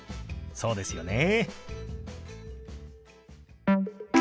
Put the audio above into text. そうですよね。